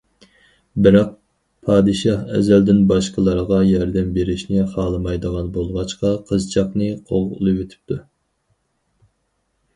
بىراق، پادىشاھ ئەزەلدىن باشقىلارغا ياردەم بېرىشنى خالىمايدىغان بولغاچقا، قىزچاقنى قوغلىۋېتىپتۇ.